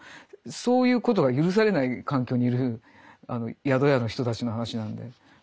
そういうことが許されない環境にいる宿屋の人たちの話なんで。